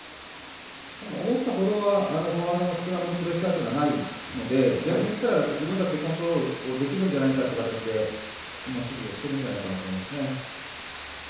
思ったほどはフォワードのスクラムのプレッシャーはないので、逆に自分たちでコントロールができるんじゃないかという形で指示をしていると思います。